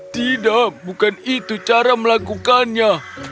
tidak bukan itu cara melakukannya